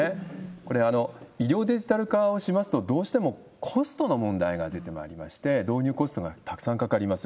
これ、医療デジタル化をしますと、どうしてもコストの問題が出てまいりまして、導入コストがたくさんかかります。